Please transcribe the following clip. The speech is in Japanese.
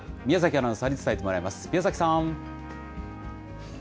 宮崎さん。